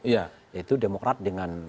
yaitu demokrat dengan pan